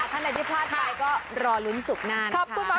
ถ้าในที่พลาดไปก็รอลุ้นศุกร์หน้านะคะ